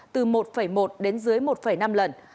từ một một đến dưới một năm lần